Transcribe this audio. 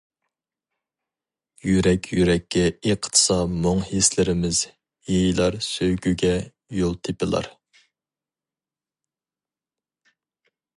يۈرەك يۈرەككە ئېقىتسا مۇڭ ھېسلىرىمىز يېيىلار سۆيگۈگە يول تېپىلار.